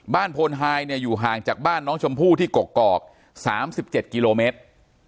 โพนไฮเนี่ยอยู่ห่างจากบ้านน้องชมพู่ที่กกอก๓๗กิโลเมตร